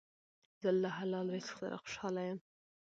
زه له حلال رزق سره خوشحاله یم.